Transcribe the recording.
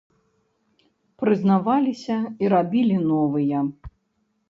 Прызнаваліся і рабілі новыя.